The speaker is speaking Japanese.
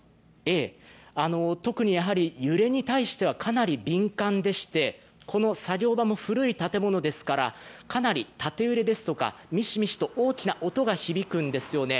特に揺れに対してはかなり敏感でして、この作業場も古い建物ですからかなり縦揺れですとか、ミシミシと大きな音が響くんですよね。